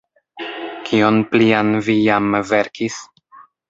Kion plian vi jam verkis?